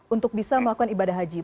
untuk bisa melakukan ibadah haji